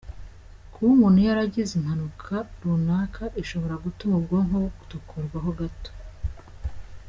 Kuba umuntu yaragize impanuka runaka ishobora gutuma ubwonko butokorwa ho gato.